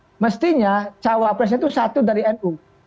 nah mestinya cawapresnya itu satu dari nu